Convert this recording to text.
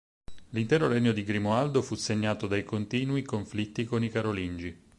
L'intero regno di Grimoaldo fu segnato dai continui conflitti con i Carolingi.